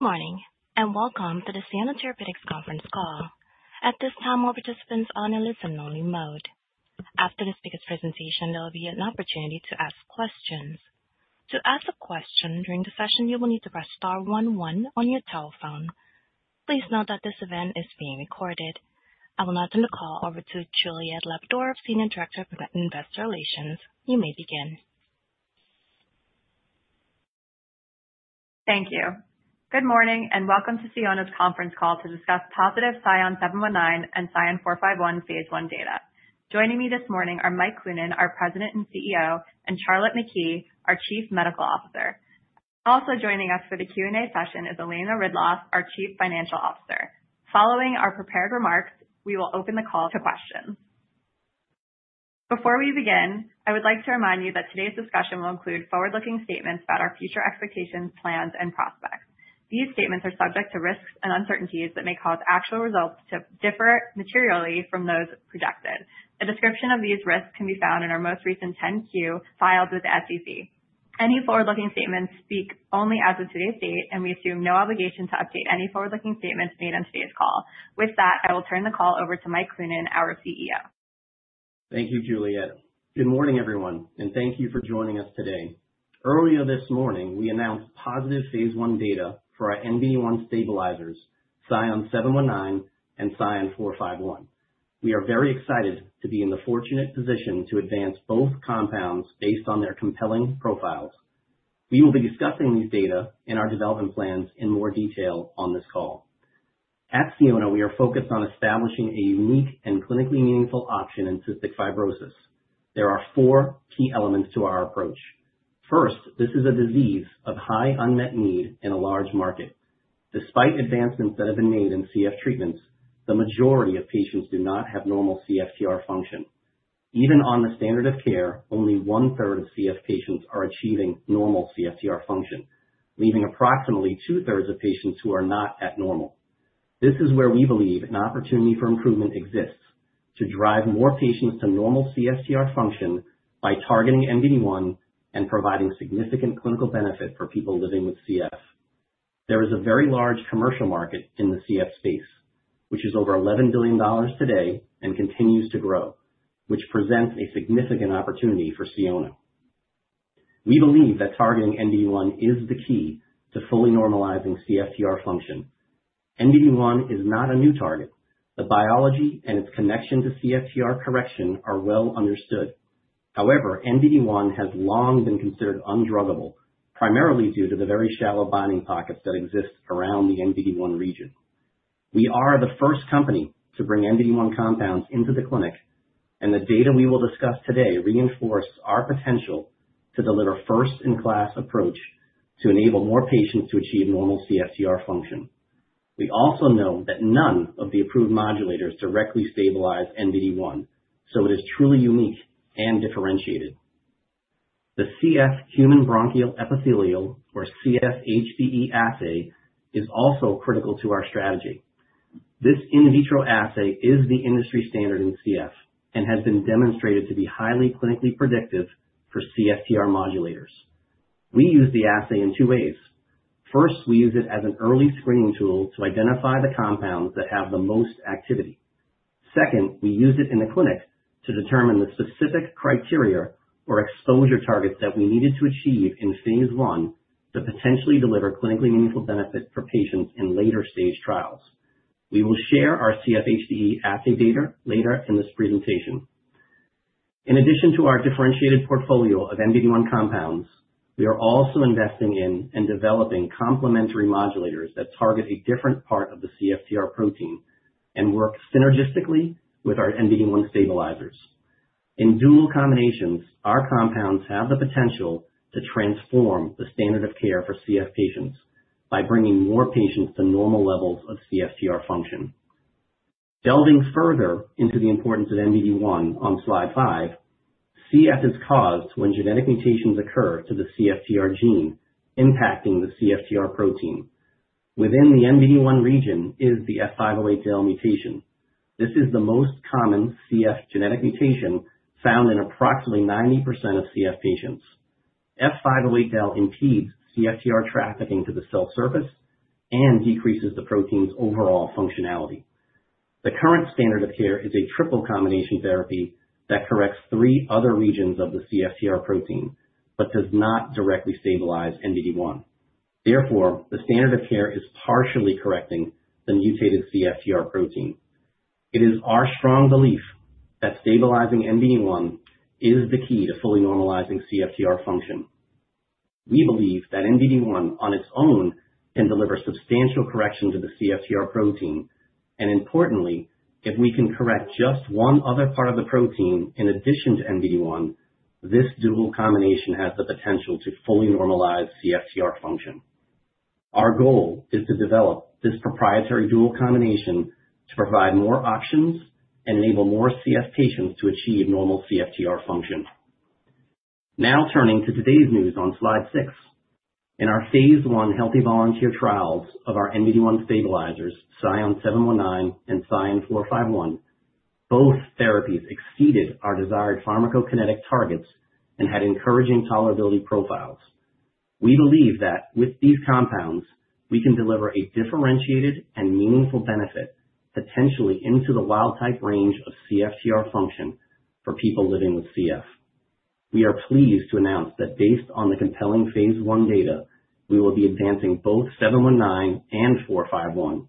Good morning and welcome to the Sionna Therapeutics conference call. At this time, all participants are on a listen-only mode. After the speaker's presentation, there will be an opportunity to ask questions. To ask a question during the session, you will need to press star one one on your telephone. Please note that this event is being recorded. I will now turn the call over to Juliet Labadorf, Senior Director of Investor Relations. You may begin. Thank you. Good morning and welcome to Sionna's conference call to discuss positive SION-719 and SION-451 phase I data. Joining me this morning are Mike Cloonan, our President and CEO, and Charlotte McKee, our Chief Medical Officer. Also joining us for the Q&A session is Elena Ridloff, our Chief Financial Officer. Following our prepared remarks, we will open the call to questions. Before we begin, I would like to remind you that today's discussion will include forward-looking statements about our future expectations, plans, and prospects. These statements are subject to risks and uncertainties that may cause actual results to differ materially from those projected. A description of these risks can be found in our most recent 10-Q filed with the SEC. Any forward-looking statements speak only as of today's date, and we assume no obligation to update any forward-looking statements made on today's call. With that, I will turn the call over to Mike Cloonan, our CEO. Thank you, Juliet. Good morning, everyone, and thank you for joining us today. Earlier this morning, we announced positive phase I data for our NBD1 stabilizers, SION-719 and SION-451. We are very excited to be in the fortunate position to advance both compounds based on their compelling profiles. We will be discussing these data and our development plans in more detail on this call. At Sionna, we are focused on establishing a unique and clinically meaningful option in cystic fibrosis. There are four key elements to our approach. First, this is a disease of high unmet need in a large market. Despite advancements that have been made in CF treatments, the majority of patients do not have normal CFTR function. Even on the standard of care, only 1/3 of CF patients are achieving normal CFTR function, leaving approximately 2/3 of patients who are not at normal. This is where we believe an opportunity for improvement exists: to drive more patients to normal CFTR function by targeting NBD1 and providing significant clinical benefit for people living with CF. There is a very large commercial market in the CF space, which is over $11 billion today and continues to grow, which presents a significant opportunity for Sionna. We believe that targeting NBD1 is the key to fully normalizing CFTR function. NBD1 is not a new target. The biology and its connection to CFTR correction are well understood. However, NBD1 has long been considered undruggable, primarily due to the very shallow binding pockets that exist around the NBD1 region. We are the first company to bring NBD1 compounds into the clinic, and the data we will discuss today reinforce our potential to deliver a first-in-class approach to enable more patients to achieve normal CFTR function. We also know that none of the approved modulators directly stabilize NBD1, so it is truly unique and differentiated. The CF human bronchial epithelial, or CFHBE assay, is also critical to our strategy. This in vitro assay is the industry standard in CF and has been demonstrated to be highly clinically predictive for CFTR modulators. We use the assay in two ways. First, we use it as an early screening tool to identify the compounds that have the most activity. Second, we use it in the clinic to determine the specific criteria or exposure targets that we needed to achieve in phase I to potentially deliver clinically meaningful benefit for patients in later-stage trials. We will share our CFHBE assay data later in this presentation. In addition to our differentiated portfolio of NBD1 compounds, we are also investing in and developing complementary modulators that target a different part of the CFTR protein and work synergistically with our NBD1 stabilizers. In dual combinations, our compounds have the potential to transform the standard of care for CF patients by bringing more patients to normal levels of CFTR function. Delving further into the importance of NBD1 on slide five, CF is caused when genetic mutations occur to the CFTR gene, impacting the CFTR protein. Within the NBD1 region is the F508del mutation. This is the most common CF genetic mutation found in approximately 90% of CF patients. F508del impedes CFTR trafficking to the cell surface and decreases the protein's overall functionality. The current standard of care is a triple combination therapy that corrects three other regions of the CFTR protein but does not directly stabilize NBD1. Therefore, the standard of care is partially correcting the mutated CFTR protein. It is our strong belief that stabilizing NBD1 is the key to fully normalizing CFTR function. We believe that NBD1 on its own can deliver substantial correction to the CFTR protein. Importantly, if we can correct just one other part of the protein in addition to NBD1, this dual combination has the potential to fully normalize CFTR function. Our goal is to develop this proprietary dual combination to provide more options and enable more CF patients to achieve normal CFTR function. Now turning to today's news on slide six. In our phase I healthy volunteer trials of our NBD1 stabilizers, SION-719 and SION-451, both therapies exceeded our desired pharmacokinetic targets and had encouraging tolerability profiles. We believe that with these compounds, we can deliver a differentiated and meaningful benefit potentially into the wild-type range of CFTR function for people living with CF. We are pleased to announce that based on the compelling phase I data, we will be advancing both 719 and 451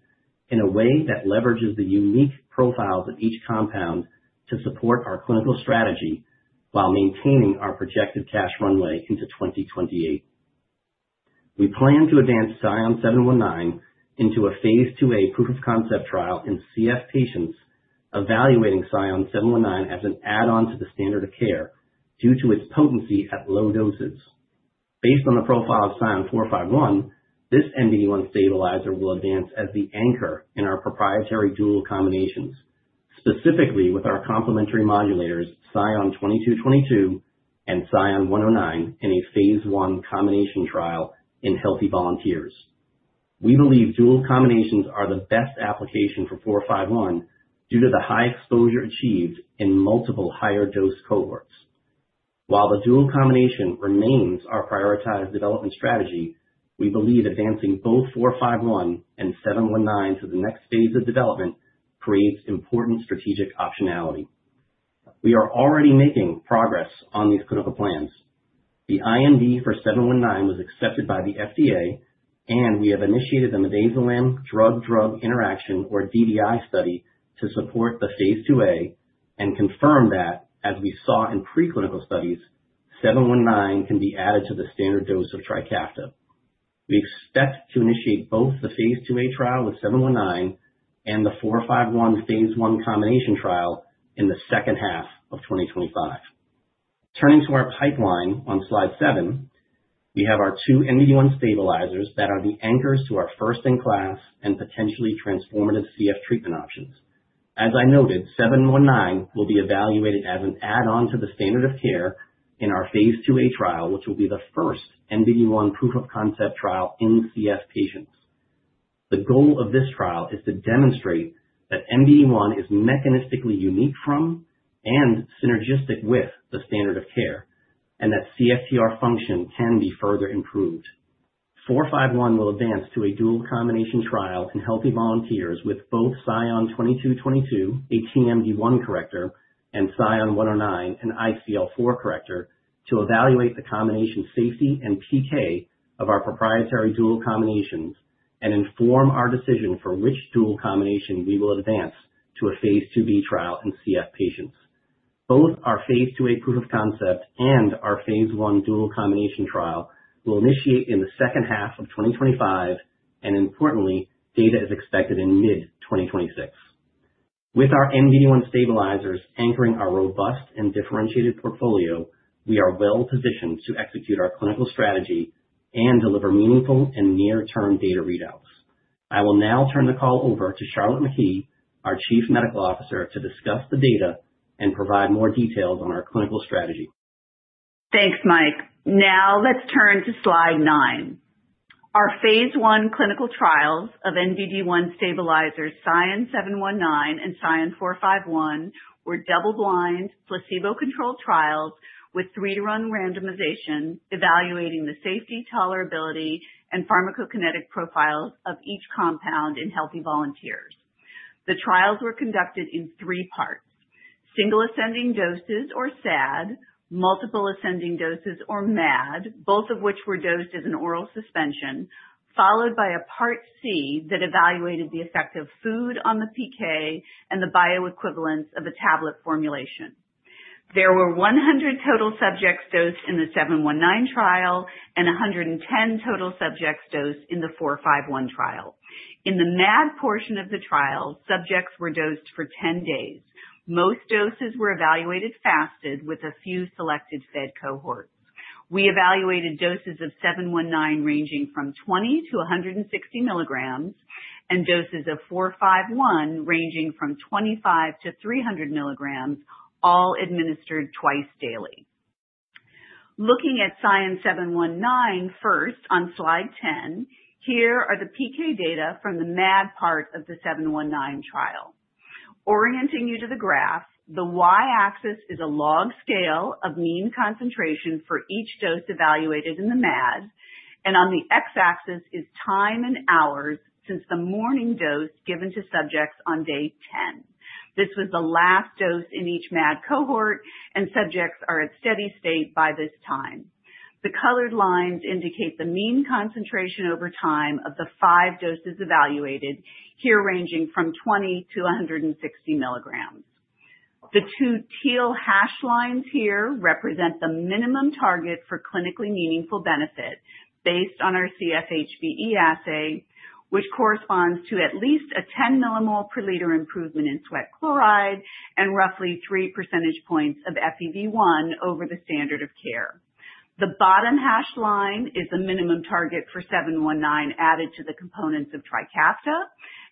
in a way that leverages the unique profiles of each compound to support our clinical strategy while maintaining our projected cash runway into 2028. We plan to advance SION-719 into a phase II-A proof of concept trial in CF patients, evaluating SION-719 as an add-on to the standard of care due to its potency at low doses. Based on the profile of SION-451, this NBD1 stabilizer will advance as the anchor in our proprietary dual combinations, specifically with our complementary modulators, SION-2222 and SION-109, in a phase I combination trial in healthy volunteers. We believe dual combinations are the best application for 451 due to the high exposure achieved in multiple higher-dose cohorts. While the dual combination remains our prioritized development strategy, we believe advancing both 451 and 719 to the next phase of development creates important strategic optionality. We are already making progress on these clinical plans. The IND for 719 was accepted by the FDA, and we have initiated the midazolam drug-drug interaction, or DDI, study to support the phase II-A and confirm that, as we saw in preclinical studies, 719 can be added to the standard dose of Trikafta. We expect to initiate both the phase II-A trial with 719 and the 451 phase I combination trial in the second half of 2025. Turning to our pipeline on slide seven, we have our two NBD1 stabilizers that are the anchors to our first-in-class and potentially transformative CF treatment options. As I noted, 719 will be evaluated as an add-on to the standard of care in our phase II-A trial, which will be the first NBD1 proof of concept trial in CF patients. The goal of this trial is to demonstrate that NBD1 is mechanistically unique from and synergistic with the standard of care and that CFTR function can be further improved. 451 will advance to a dual combination trial in healthy volunteers with both SION-2222, a TMD1 corrector, and SION-109, an ICL4 corrector, to evaluate the combination safety and PK of our proprietary dual combinations and inform our decision for which dual combination we will advance to a phase II-B trial in CF patients. Both our phase II-A proof of concept and our phase I dual combination trial will initiate in the second half of 2025, and importantly, data is expected in mid-2026. With our NBD1 stabilizers anchoring our robust and differentiated portfolio, we are well positioned to execute our clinical strategy and deliver meaningful and near-term data readouts. I will now turn the call over to Charlotte McKee, our Chief Medical Officer, to discuss the data and provide more details on our clinical strategy. Thanks, Mike. Now let's turn to slide nine. Our phase I clinical trials of NBD1 stabilizers SION-719 and SION-451 were double-blind, placebo-controlled trials with three-to-one randomization evaluating the safety, tolerability, and pharmacokinetic profiles of each compound in healthy volunteers. The trials were conducted in three parts: single ascending doses, or SAD; multiple ascending doses, or MAD, both of which were dosed as an oral suspension; followed by a part C that evaluated the effect of food on the PK and the bioequivalence of a tablet formulation. There were 100 total subjects dosed in the 719 trial and 110 total subjects dosed in the 451 trial. In the MAD portion of the trial, subjects were dosed for 10 days. Most doses were evaluated fasted with a few selected fed cohorts. We evaluated doses of 719 ranging from 20 mg-160 mg and doses of 451 ranging from 25 mg-300 mg, all administered twice daily. Looking at 719 first on slide 10, here are the PK data from the MAD part of the 719 trial. Orienting you to the graph, the y-axis is a log scale of mean concentration for each dose evaluated in the MAD, and on the x-axis is time in hours since the morning dose given to subjects on day 10. This was the last dose in each MAD cohort, and subjects are at steady state by this time. The colored lines indicate the mean concentration over time of the five doses evaluated, here ranging from 20 mg-160 mg. The two teal hash lines here represent the minimum target for clinically meaningful benefit based on our CFHBE assay, which corresponds to at least a 10 mmol/L improvement in sweat chloride and roughly 3 percentage points of FEV1 over the standard of care. The bottom hash line is the minimum target for 719 added to the components of Trikafta,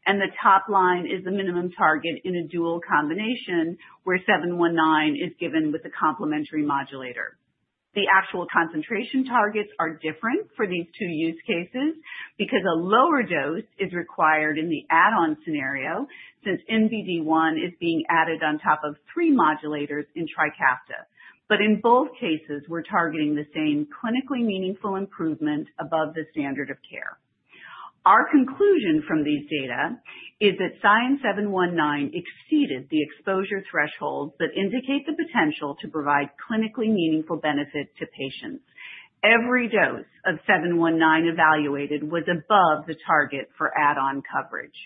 and the top line is the minimum target in a dual combination where 719 is given with a complementary modulator. The actual concentration targets are different for these two use cases because a lower dose is required in the add-on scenario since 719 is being added on top of three modulators in Trikafta. In both cases, we're targeting the same clinically meaningful improvement above the standard of care. Our conclusion from these data is that SION-719 exceeded the exposure thresholds that indicate the potential to provide clinically meaningful benefit to patients. Every dose of 719 evaluated was above the target for add-on coverage.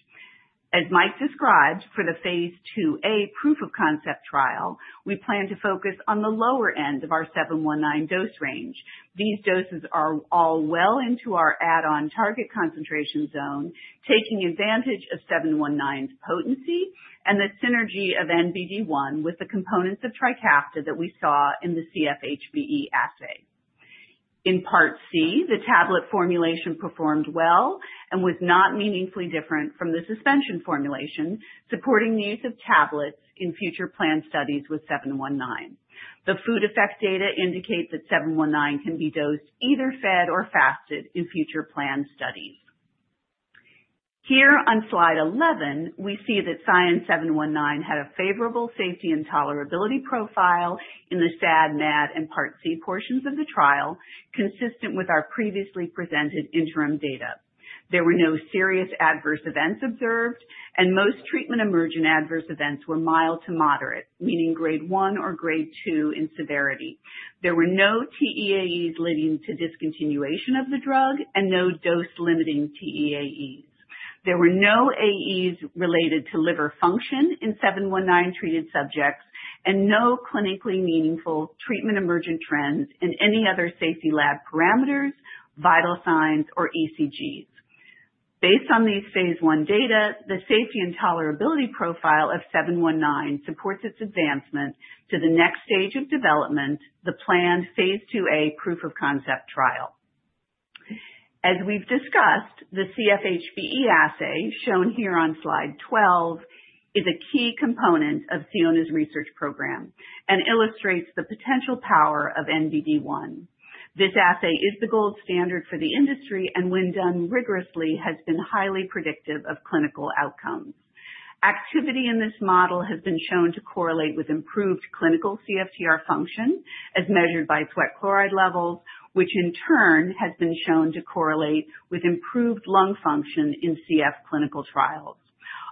As Mike described, for the phase II-A proof of concept trial, we plan to focus on the lower end of our 719 dose range. These doses are all well into our add-on target concentration zone, taking advantage of 719's potency and the synergy of NBD1 with the components of Trikafta that we saw in the CFHBE assay. In part C, the tablet formulation performed well and was not meaningfully different from the suspension formulation, supporting the use of tablets in future planned studies with 719. The food effect data indicate that 719 can be dosed either fed or fasted in future planned studies. Here on slide 11, we see that SION-719 had a favorable safety and tolerability profile in the SAD, MAD, and Part C portions of the trial, consistent with our previously presented interim data. There were no serious adverse events observed, and most treatment-emergent adverse events were mild to moderate, meaning grade one or grade two in severity. There were no TEAEs leading to discontinuation of the drug and no dose-limiting TEAEs. There were no AEs related to liver function in SION-719 treated subjects and no clinically meaningful treatment-emergent trends in any other safety lab parameters, vital signs, or ECGs. Based on these phase I data, the safety and tolerability profile of SION-719 supports its advancement to the next stage of development, the planned phase II-A proof of concept trial. As we've discussed, the CFHBE assay shown here on slide 12 is a key component of Sionna's research program and illustrates the potential power of NBD1. This assay is the gold standard for the industry and, when done rigorously, has been highly predictive of clinical outcomes. Activity in this model has been shown to correlate with improved clinical CFTR function, as measured by sweat chloride levels, which in turn has been shown to correlate with improved lung function in CF clinical trials.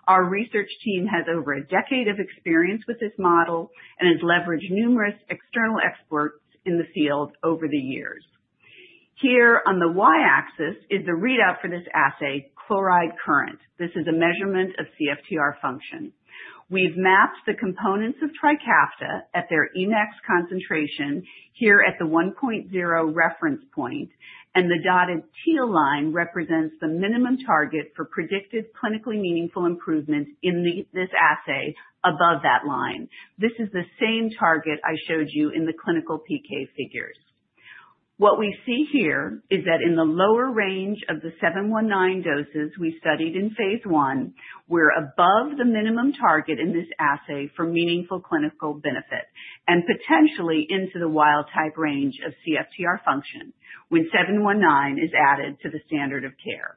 Our research team has over a decade of experience with this model and has leveraged numerous external experts in the field over the years. Here on the y-axis is the readout for this assay, chloride current. This is a measurement of CFTR function. We've mapped the components of Trikafta at their index concentration here at the 1.0 reference point, and the dotted teal line represents the minimum target for predicted clinically meaningful improvement in this assay above that line. This is the same target I showed you in the clinical PK figures. What we see here is that in the lower range of the 719 doses we studied in phase I, we're above the minimum target in this assay for meaningful clinical benefit and potentially into the wild-type range of CFTR function when 719 is added to the standard of care.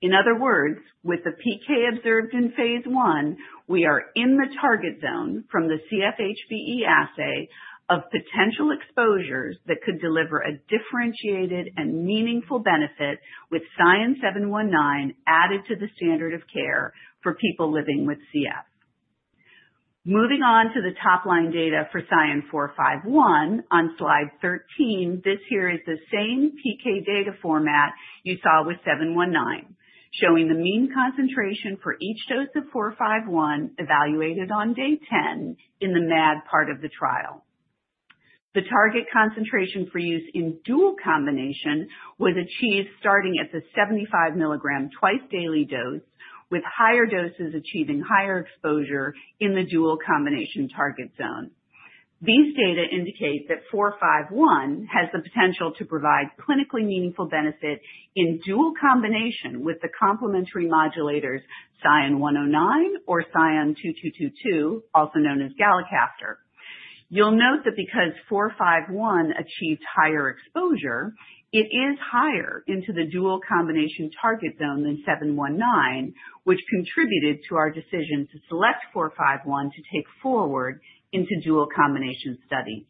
In other words, with the PK observed in phase I, we are in the target zone from the CFHBE assay of potential exposures that could deliver a differentiated and meaningful benefit with SION-719 added to the standard of care for people living with CF. Moving on to the top line data for SION-451 on slide 13, this here is the same PK data format you saw with SION-719, showing the mean concentration for each dose of SION-451 evaluated on day 10 in the MAD part of the trial. The target concentration for use in dual combination was achieved starting at the 75 mg twice daily dose, with higher doses achieving higher exposure in the dual combination target zone. These data indicate that SION-451 has the potential to provide clinically meaningful benefit in dual combination with the complementary modulators SION-109 or SION-2222, also known as galicaftor. You'll note that because SION-451 achieved higher exposure, it is higher into the dual combination target zone than SION-719, which contributed to our decision to select SION-451 to take forward into dual combination studies.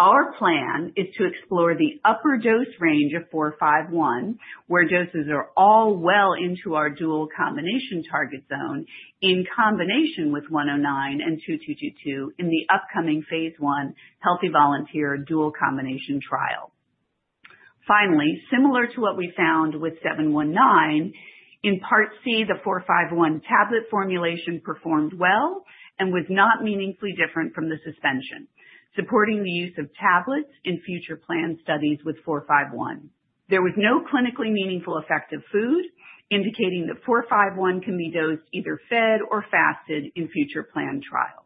Our plan is to explore the upper dose range of 451, where doses are all well into our dual combination target zone in combination with 109 and 2222 in the upcoming phase I healthy volunteer dual combination trial. Finally, similar to what we found with 719, in Part C, the 451 tablet formulation performed well and was not meaningfully different from the suspension, supporting the use of tablets in future planned studies with 451. There was no clinically meaningful effect of food, indicating that 451 can be dosed either fed or fasted in future planned trials.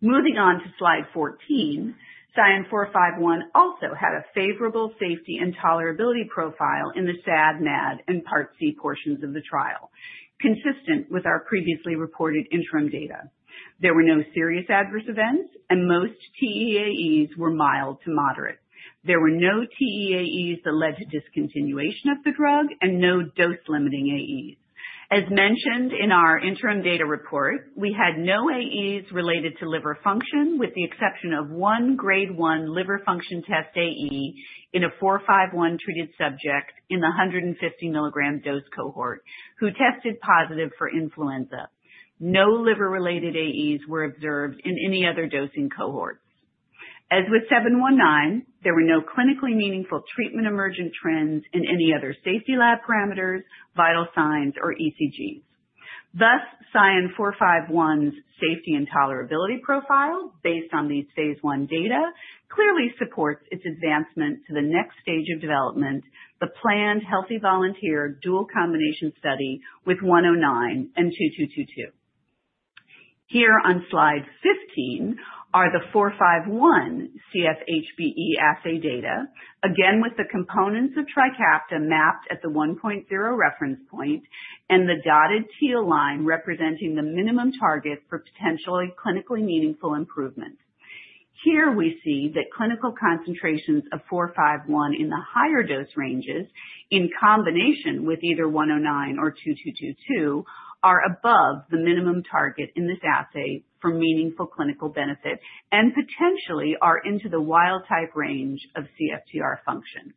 Moving on to slide 14, SION-451 also had a favorable safety and tolerability profile in the SAD, MAD, and Part C portions of the trial, consistent with our previously reported interim data. There were no serious adverse events, and most TEAEs were mild to moderate. There were no TEAEs that led to discontinuation of the drug and no dose-limiting AEs. As mentioned in our interim data report, we had no AEs related to liver function, with the exception of one grade one liver function test AE in a 451 treated subject in the 150 mg dose cohort who tested positive for influenza. No liver-related AEs were observed in any other dosing cohorts. As with 719, there were no clinically meaningful treatment-emergent trends in any other safety lab parameters, vital signs, or ECGs. Thus, SION-451's safety and tolerability profile, based on these phase I data, clearly supports its advancement to the next stage of development, the planned healthy volunteer dual combination study with 109 and 2222. Here on slide 15 are the 451 CFHBE assay data, again with the components of Trikafta mapped at the 1.0 reference point and the dotted teal line representing the minimum target for potentially clinically meaningful improvement. Here we see that clinical concentrations of 451 in the higher dose ranges in combination with either 109 or 2222 are above the minimum target in this assay for meaningful clinical benefit and potentially are into the wild-type range of CFTR function.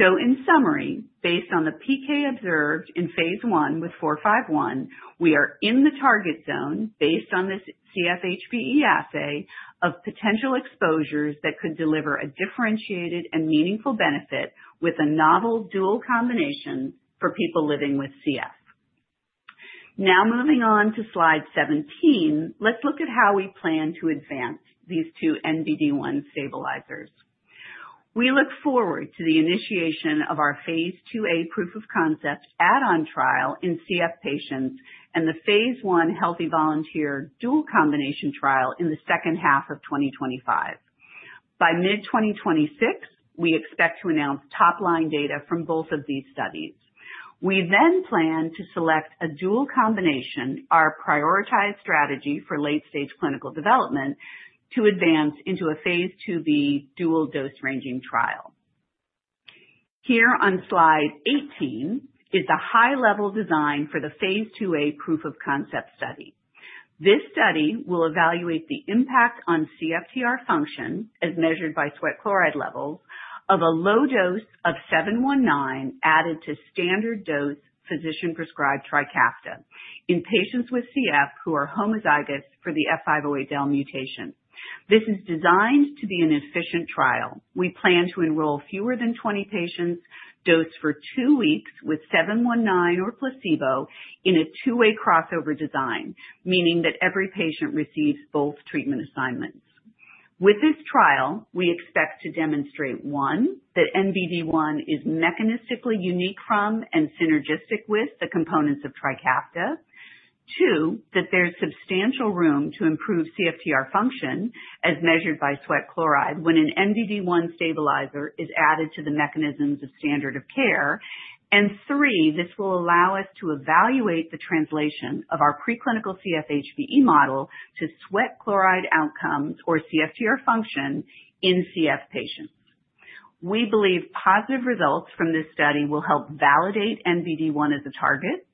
In summary, based on the PK observed in phase I with 451, we are in the target zone based on this CFHBE assay of potential exposures that could deliver a differentiated and meaningful benefit with a novel dual combination for people living with CF. Now, moving on to slide 17, let's look at how we plan to advance these two NBD1 stabilizers. We look forward to the initiation of our phase II-A proof of concept add-on trial in CF patients and the phase I healthy volunteer dual combination trial in the second half of 2025. By mid-2026, we expect to announce top line data from both of these studies. We then plan to select a dual combination, our prioritized strategy for late-stage clinical development, to advance into a phase II-B dual dose ranging trial. Here on slide 18 is the high-level design for the phase II-A proof of concept study. This study will evaluate the impact on CFTR function, as measured by sweat chloride levels, of a low dose of 719 added to standard dose physician-prescribed Trikafta in patients with CF who are homozygous for the F508del mutation. This is designed to be an efficient trial. We plan to enroll fewer than 20 patients, dose for two weeks with 719 or placebo in a two-way crossover design, meaning that every patient receives both treatment assignments. With this trial, we expect to demonstrate, one, that 719 is mechanistically unique from and synergistic with the components of Trikafta; two, that there's substantial room to improve CFTR function, as measured by sweat chloride when a 719 stabilizer is added to the mechanisms of standard of care; and three, this will allow us to evaluate the translation of our preclinical CFHBE model to sweat chloride outcomes or CFTR function in CF patients. We believe positive results from this study will help validate NBD1 as a target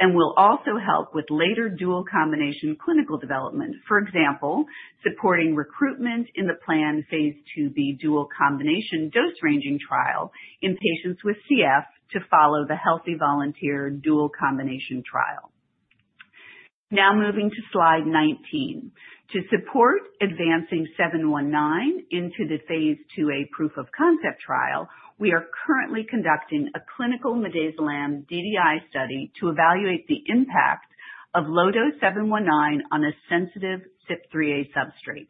and will also help with later dual combination clinical development, for example, supporting recruitment in the planned phase II-B dual combination dose ranging trial in patients with CF to follow the healthy volunteer dual combination trial. Now, moving to slide 19. To support advancing 719 into the phase II-A proof of concept trial, we are currently conducting a clinical midazolam DDI study to evaluate the impact of low-dose 719 on a sensitive CYP3A substrate.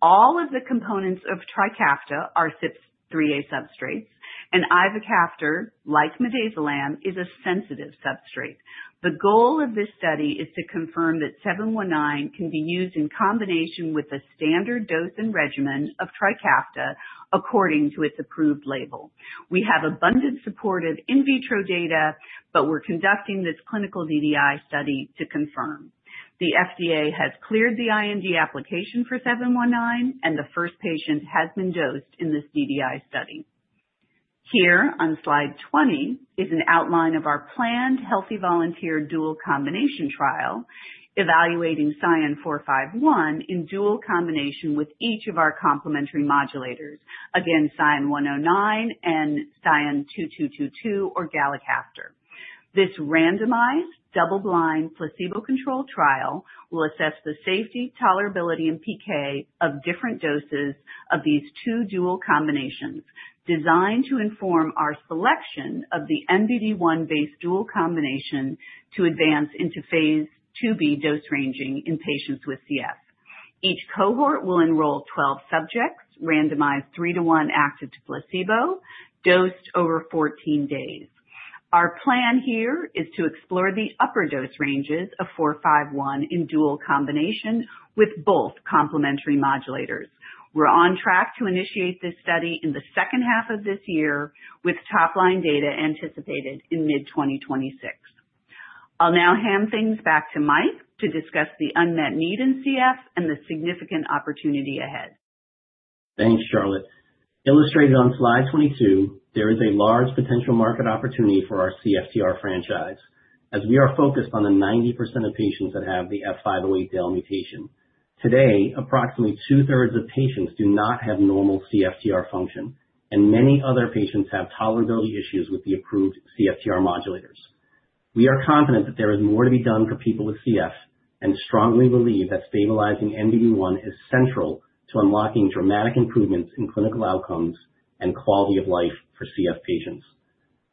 All of the components of Trikafta are CYP3A substrates, and ivacaftor, like midazolam, is a sensitive substrate. The goal of this study is to confirm that 719 can be used in combination with the standard dose and regimen of Trikafta according to its approved label. We have abundant supportive in vitro data, but we're conducting this clinical DDI study to confirm. The FDA has cleared the IND application for 719, and the first patient has been dosed in this DDI study. Here, on slide 20, is an outline of our planned healthy volunteer dual combination trial evaluating SION-451 in dual combination with each of our complementary modulators, again SION-109 and SION-2222 or galicaftor. This randomized, double-blind, placebo-controlled trial will assess the safety, tolerability, and PK of different doses of these two dual combinations, designed to inform our selection of the NBD1-based dual combination to advance into phase II-B dose ranging in patients with CF. Each cohort will enroll 12 subjects, randomized three-to-one active to placebo, dosed over 14 days. Our plan here is to explore the upper dose ranges of 451 in dual combination with both complementary modulators. We're on track to initiate this study in the second half of this year, with top line data anticipated in mid-2026. I'll now hand things back to Mike to discuss the unmet need in CF and the significant opportunity ahead. Thanks, Charlotte. Illustrated on slide 22, there is a large potential market opportunity for our CFTR franchise, as we are focused on the 90% of patients that have the F508del mutation. Today, approximately 2/3 of patients do not have normal CFTR function, and many other patients have tolerability issues with the approved CFTR modulators. We are confident that there is more to be done for people with CF and strongly believe that stabilizing NBD1 is central to unlocking dramatic improvements in clinical outcomes and quality of life for CF patients.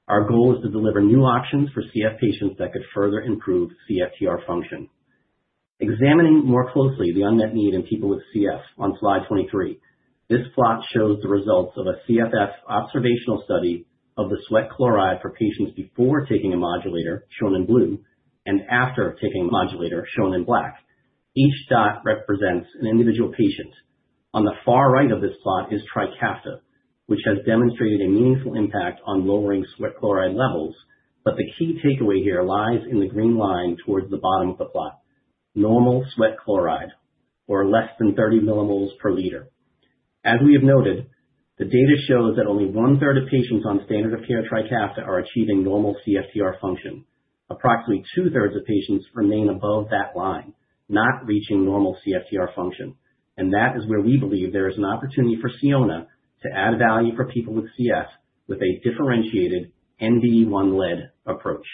Our goal is to deliver new options for CF patients that could further improve CFTR function. Examining more closely the unmet need in people with CF on slide 23, this plot shows the results of a Cystic Fibrosis Foundation observational study of the sweat chloride for patients before taking a modulator, shown in blue, and after taking a modulator, shown in black. Each dot represents an individual patient. On the far right of this plot is Trikafta, which has demonstrated a meaningful impact on lowering sweat chloride levels, but the key takeaway here lies in the green line towards the bottom of the plot: normal sweat chloride, or less than 30 mmol/L. As we have noted, the data shows that only 1/3 of patients on standard of care Trikafta are achieving normal CFTR function. Approximately 2/3 of patients remain above that line, not reaching normal CFTR function, and that is where we believe there is an opportunity for Sionna to add value for people with CF with a differentiated NBD1-led approach.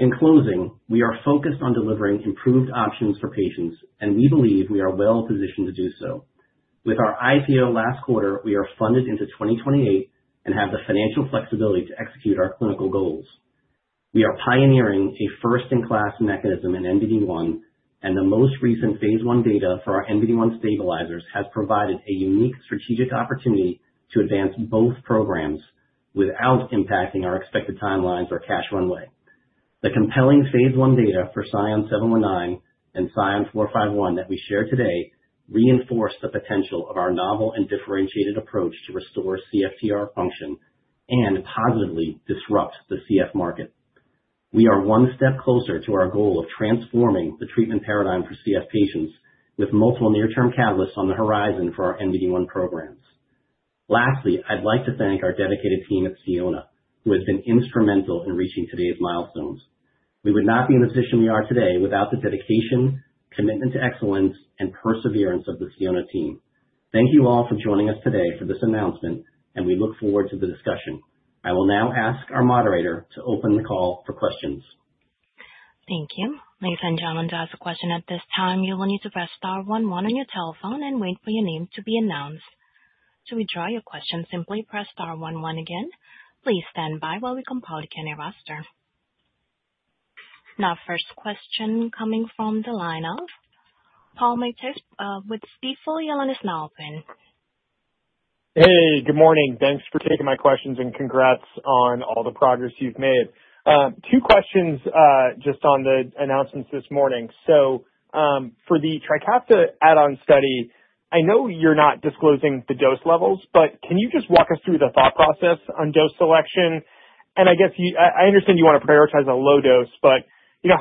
In closing, we are focused on delivering improved options for patients, and we believe we are well-positioned to do so. With our IPO last quarter, we are funded into 2028 and have the financial flexibility to execute our clinical goals. We are pioneering a first-in-class mechanism in NBD1, and the most recent phase I data for our NBD1 stabilizers has provided a unique strategic opportunity to advance both programs without impacting our expected timelines or cash runway. The compelling phase I data for SION-719 and SION-451 that we share today reinforce the potential of our novel and differentiated approach to restore CFTR function and positively disrupt the CF market. We are one step closer to our goal of transforming the treatment paradigm for CF patients, with multiple near-term catalysts on the horizon for our NBD1 programs. Lastly, I'd like to thank our dedicated team at Sionna, who has been instrumental in reaching today's milestones. We would not be in the position we are today without the dedication, commitment to excellence, and perseverance of the Sionna team. Thank you all for joining us today for this announcement, and we look forward to the discussion. I will now ask our moderator to open the call for questions. Thank you. If anyone has a question at this time, you will need to press star one one on your telephone and wait for your name to be announced. To withdraw your question, simply press star one one again. Please stand by while we compile the Q&A roster. Now, first question coming from the line of Paul Matteis with Stifel. Hey, good morning. Thanks for taking my questions and congrats on all the progress you've made. Two questions just on the announcements this morning. For the Trikafta add-on study, I know you're not disclosing the dose levels, but can you just walk us through the thought process on dose selection? I guess I understand you want to prioritize a low dose, but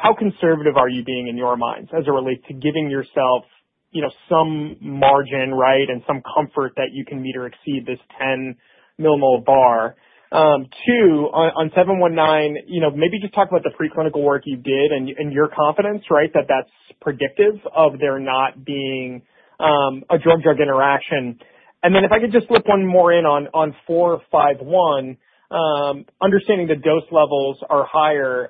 how conservative are you being in your minds as it relates to giving yourself some margin, right, and some comfort that you can meet or exceed this 10 mmol bar? Two, on 719, maybe just talk about the preclinical work you did and your confidence, right, that that's predictive of there not being a drug-drug interaction. If I could just slip one more in on 451, understanding the dose levels are higher,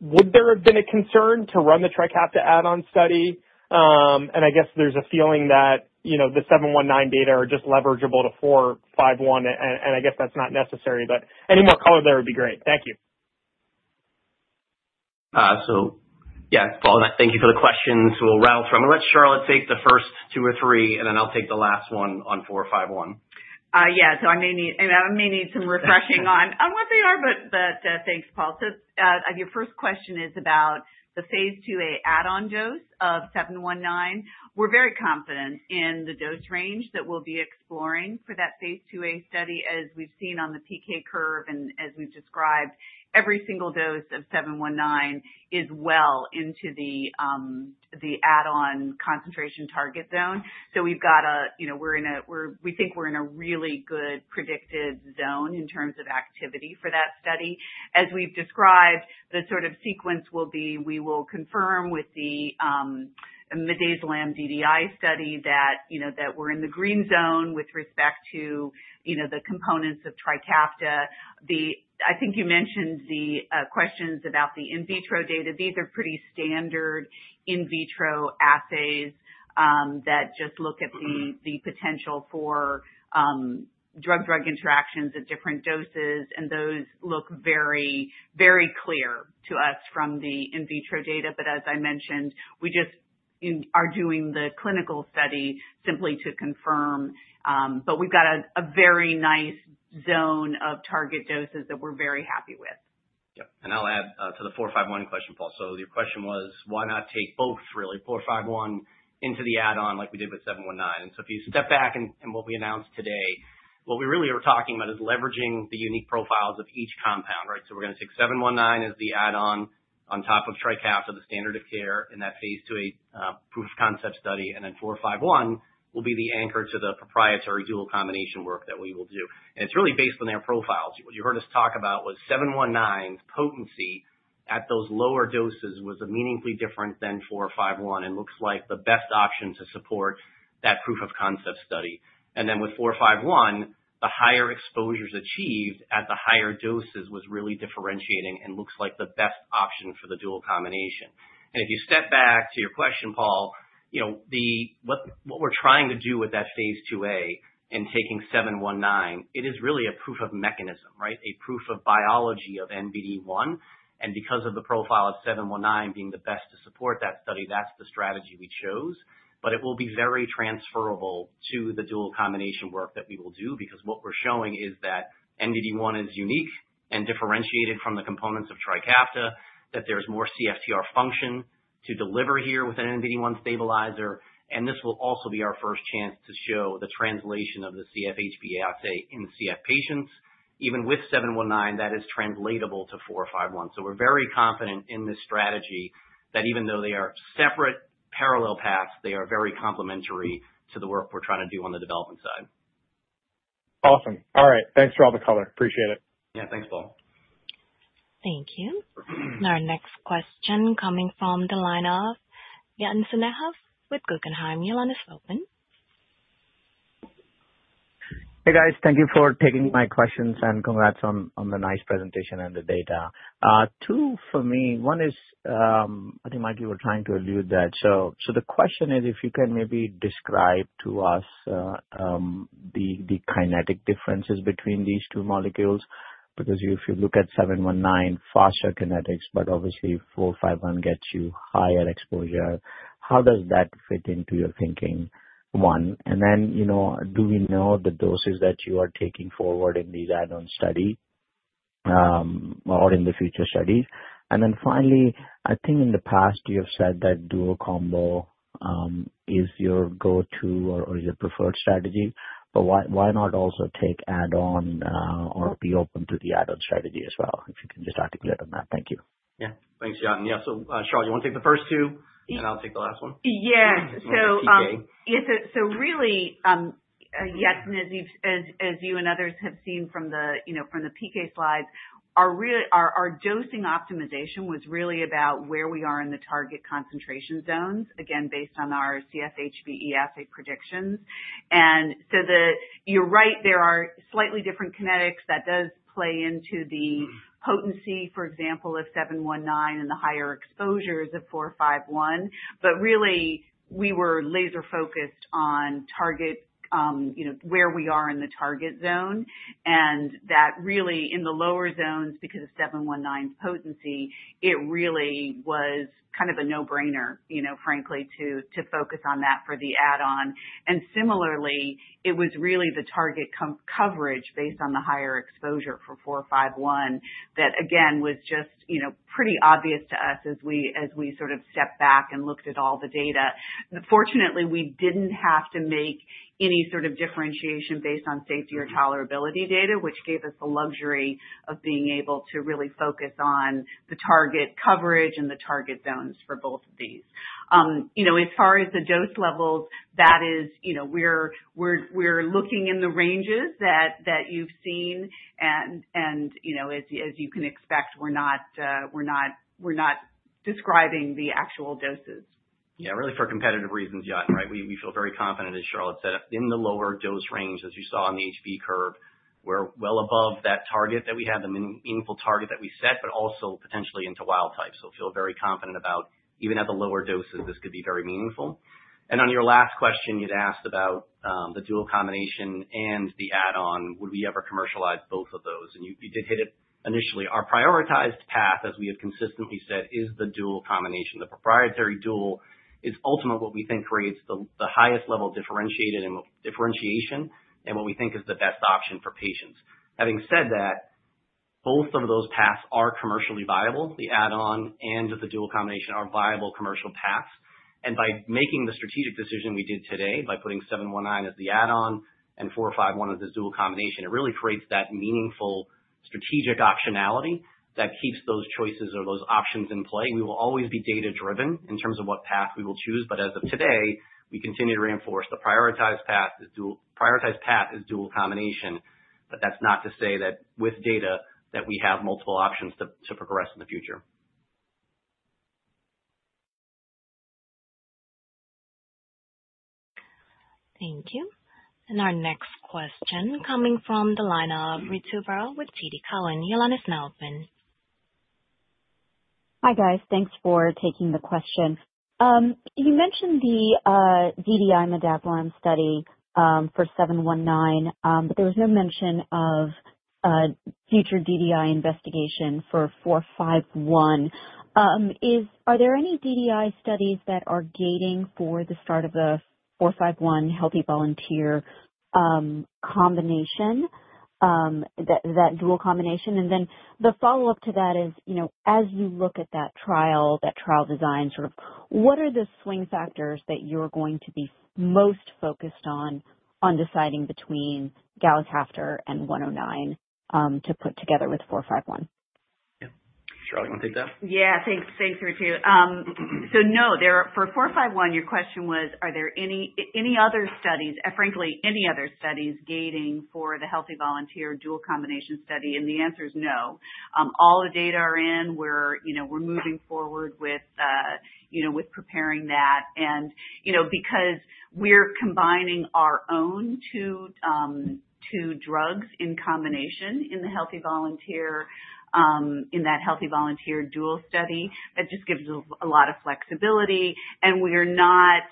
would there have been a concern to run the Trikafta add-on study? I guess there is a feeling that the 719 data are just leverageable to 451, and I guess that is not necessary, but any more color there would be great. Thank you. Yeah, Paul, thank you for the questions. We'll rattle through them. I'll let Charlotte take the first two or three, and then I'll take the last one on 451. Yeah, so I may need some refreshing on what they are, but thanks, Paul. Your first question is about the phase II-A add-on dose of 719. We're very confident in the dose range that we'll be exploring for that phase II-A study, as we've seen on the PK curve, and as we've described, every single dose of 719 is well into the add-on concentration target zone. We think we're in a really good predicted zone in terms of activity for that study. As we've described, the sort of sequence will be we will confirm with the midazolam DDI study that we're in the green zone with respect to the components of Trikafta. I think you mentioned the questions about the in vitro data. These are pretty standard in vitro assays that just look at the potential for drug-drug interactions at different doses, and those look very, very clear to us from the in vitro data. As I mentioned, we just are doing the clinical study simply to confirm, but we've got a very nice zone of target doses that we're very happy with. Yep. I'll add to the 451 question, Paul. Your question was, why not take both, really, 451 into the add-on like we did with 719? If you step back in what we announced today, what we really are talking about is leveraging the unique profiles of each compound, right? We're going to take 719 as the add-on on top of Trikafta, the standard of care in that phase II-A proof of concept study, and then 451 will be the anchor to the proprietary dual combination work that we will do. It's really based on their profiles. What you heard us talk about was 719's potency at those lower doses was meaningfully different than 451 and looks like the best option to support that proof of concept study. With 451, the higher exposures achieved at the higher doses was really differentiating and looks like the best option for the dual combination. If you step back to your question, Paul, what we're trying to do with that phase II-A and taking 719, it is really a proof of mechanism, right? A proof of biology of NBD1. Because of the profile of 719 being the best to support that study, that's the strategy we chose. It will be very transferable to the dual combination work that we will do because what we're showing is that NBD1 is unique and differentiated from the components of Trikafta, that there's more CFTR function to deliver here with an NBD1 stabilizer. This will also be our first chance to show the translation of the CFHBE assay in CF patients. Even with 719, that is translatable to 451. We're very confident in this strategy that even though they are separate parallel paths, they are very complementary to the work we're trying to do on the development side. Awesome. All right. Thanks for all the color. Appreciate it. Yeah, thanks, Paul. Thank you. Our next question coming from the line of Yatin Suneja with Guggenheim. Your line is open. Hey, guys. Thank you for taking my questions and congrats on the nice presentation and the data. Two for me. One is, I think Mike was trying to allude to that. The question is, if you can maybe describe to us the kinetic differences between these two molecules, because if you look at 719, faster kinetics, but obviously 451 gets you higher exposure. How does that fit into your thinking? One. Do we know the doses that you are taking forward in the add-on study or in the future studies? Finally, I think in the past you have said that dual combo is your go-to or your preferred strategy, but why not also take add-on or be open to the add-on strategy as well if you can just articulate on that? Thank you. Yeah. Thanks, Yatin. Yeah. So, Charlotte, do you want to take the first two, and I'll take the last one? Yeah. So really, yes, and as you and others have seen from the PK slides, our dosing optimization was really about where we are in the target concentration zones, again, based on our CFHBE assay predictions. You're right, there are slightly different kinetics. That does play into the potency, for example, of 719 and the higher exposures of 451. Really, we were laser-focused on where we are in the target zone. In the lower zones, because of 719's potency, it really was kind of a no-brainer, frankly, to focus on that for the add-on. Similarly, it was really the target coverage based on the higher exposure for 451 that, again, was just pretty obvious to us as we sort of stepped back and looked at all the data. Fortunately, we didn't have to make any sort of differentiation based on safety or tolerability data, which gave us the luxury of being able to really focus on the target coverage and the target zones for both of these. As far as the dose levels, that is, we're looking in the ranges that you've seen. And as you can expect, we're not describing the actual doses. Yeah, really for competitive reasons, Yatin, right? We feel very confident, as Charlotte said, in the lower dose range, as you saw on the HBE curve. We're well above that target that we had, the meaningful target that we set, but also potentially into wild types. We feel very confident about even at the lower doses, this could be very meaningful. On your last question, you'd asked about the dual combination and the add-on, would we ever commercialize both of those? You did hit it initially. Our prioritized path, as we have consistently said, is the dual combination. The proprietary dual is ultimately what we think creates the highest level of differentiation and what we think is the best option for patients. Having said that, both of those paths are commercially viable. The add-on and the dual combination are viable commercial paths. By making the strategic decision we did today, by putting 719 as the add-on and 451 as the dual combination, it really creates that meaningful strategic optionality that keeps those choices or those options in play. We will always be data-driven in terms of what path we will choose. As of today, we continue to reinforce the prioritized path is dual combination. That is not to say that with data that we have multiple options to progress in the future. Thank you. Our next question is coming from the line of Ritu Baral with TD Cowen. Your line is now open. Hi, guys. Thanks for taking the question. You mentioned the DDI midazolam study for 719, but there was no mention of future DDI investigation for 451. Are there any DDI studies that are gating for the start of the 451 healthy volunteer combination, that dual combination? The follow-up to that is, as you look at that trial, that trial design, sort of what are the swing factors that you're going to be most focused on deciding between galicaftor and 109 to put together with 451? Yeah. Charlotte, do you want to take that? Yeah. Thanks, Ritu. No, for 451, your question was, are there any other studies, frankly, any other studies gating for the healthy volunteer dual combination study? The answer is no. All the data are in. We're moving forward with preparing that. Because we're combining our own two drugs in combination in the healthy volunteer, in that healthy volunteer dual study, that just gives us a lot of flexibility. We're not,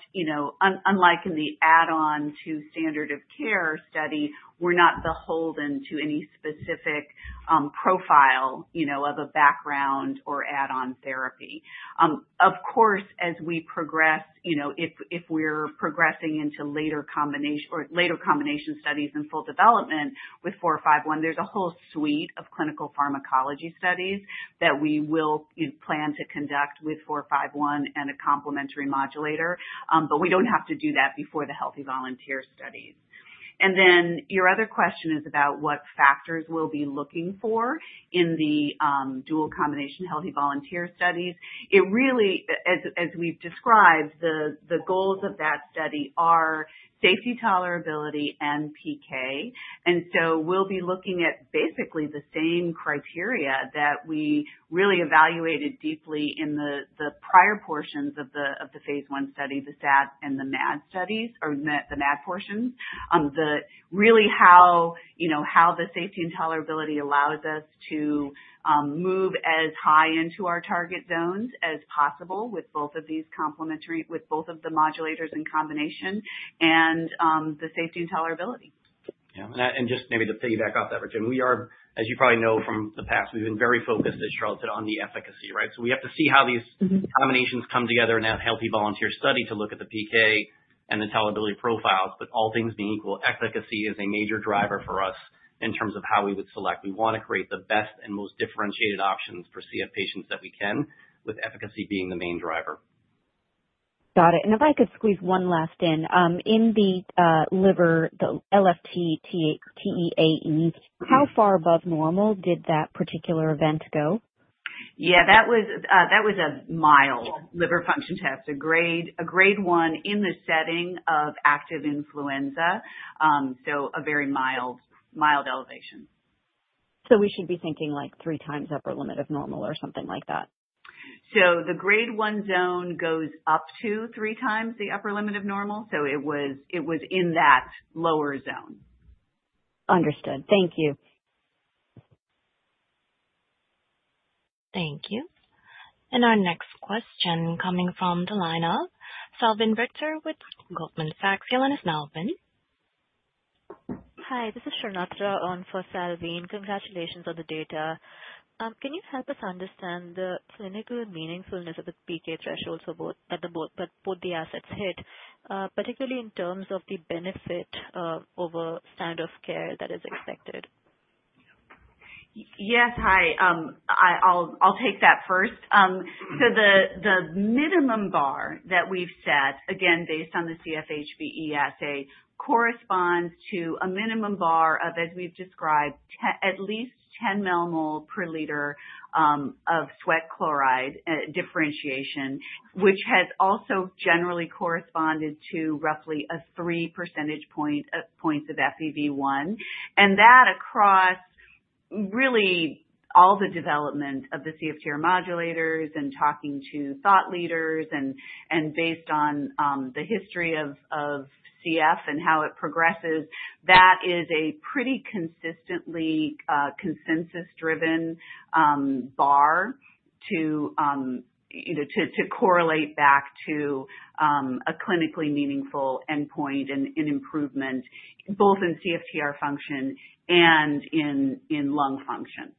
unlike in the add-on to standard of care study, we're not beholden to any specific profile of a background or add-on therapy. Of course, as we progress, if we're progressing into later combination studies in full development with 451, there's a whole suite of clinical pharmacology studies that we will plan to conduct with 451 and a complementary modulator, but we don't have to do that before the healthy volunteer studies. Your other question is about what factors we'll be looking for in the dual combination healthy volunteer studies. It really, as we've described, the goals of that study are safety, tolerability, and PK. We'll be looking at basically the same criteria that we really evaluated deeply in the prior portions of the phase I study, the SAD and the MAD portions, really how the safety and tolerability allow us to move as high into our target zones as possible with both of these complementary, with both of the modulators in combination and the safety and tolerability. Yeah. And just maybe to piggyback off that, Ritu, we are, as you probably know from the past, we've been very focused, as Charlotte said, on the efficacy, right? We have to see how these combinations come together in that healthy volunteer study to look at the PK and the tolerability profiles. All things being equal, efficacy is a major driver for us in terms of how we would select. We want to create the best and most differentiated options for CF patients that we can, with efficacy being the main driver. Got it. If I could squeeze one last in, in the liver, the LFT-TEAE, how far above normal did that particular event go? Yeah, that was a mild liver function test, a grade one in the setting of active influenza. So a very mild elevation. We should be thinking like 3x upper limit of normal or something like that? The grade one zone goes up to 3x the upper limit of normal. It was in that lower zone. Understood. Thank you. Thank you. Our next question coming from the line of Salveen Richter with Goldman Sachs, your line is now open. Hi, this is Charlotte on for Salveen. Congratulations on the data. Can you help us understand the clinical meaningfulness of the PK thresholds that both the assets hit, particularly in terms of the benefit over standard of care that is expected? Yes. Hi. I'll take that first. The minimum bar that we've set, again, based on the CFHBE assay, corresponds to a minimum bar of, as we've described, at least 10 mmol/L of sweat chloride differentiation, which has also generally corresponded to roughly a 3 percentage point of FEV1. That across really all the development of the CFTR modulators and talking to thought leaders and based on the history of CF and how it progresses, that is a pretty consistently consensus-driven bar to correlate back to a clinically meaningful endpoint and improvement, both in CFTR function and in lung function.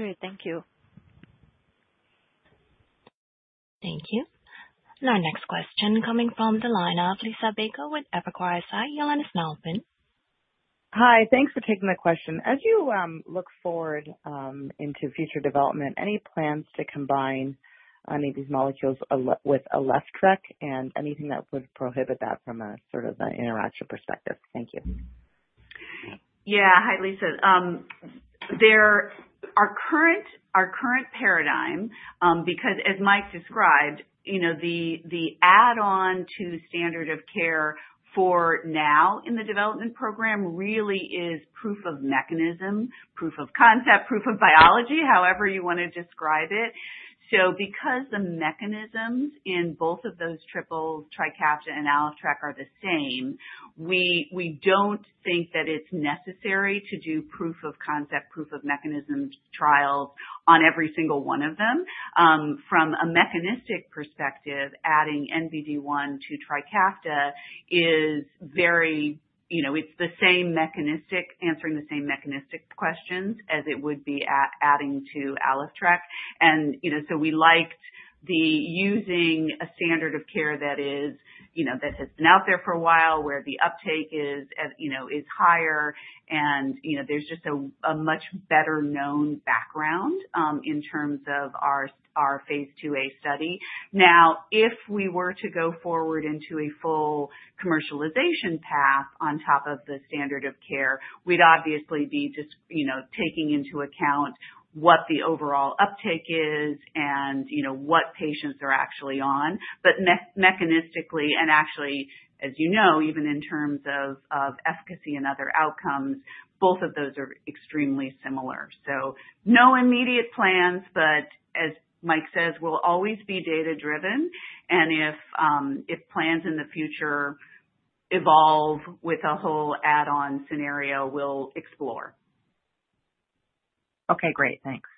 Great. Thank you. Thank you. Our next question coming from the line of Liisa Bayko with Evercore ISI, your line is now open. Hi. Thanks for taking the question. As you look forward into future development, any plans to combine any of these molecules with Trikafta and anything that would prohibit that from a sort of an interactive perspective? Thank you. Yeah. Hi, Liisa. Our current paradigm, because as Mike described, the add-on to standard of care for now in the development program really is proof of mechanism, proof of concept, proof of biology, however you want to describe it. Because the mechanisms in both of those triples, Trikafta and Alyftrek, are the same, we don't think that it's necessary to do proof of concept, proof of mechanism trials on every single one of them. From a mechanistic perspective, adding NBD1 to Trikafta is very—it's the same mechanistic, answering the same mechanistic questions as it would be adding to Alyftrek. We liked using a standard of care that has been out there for a while where the uptake is higher, and there's just a much better-known background in terms of our phase II-A study. Now, if we were to go forward into a full commercialization path on top of the standard of care, we'd obviously be just taking into account what the overall uptake is and what patients are actually on. Mechanistically, and actually, as you know, even in terms of efficacy and other outcomes, both of those are extremely similar. No immediate plans, but as Mike says, we'll always be data-driven. If plans in the future evolve with a whole add-on scenario, we'll explore. Okay. Great. Thanks.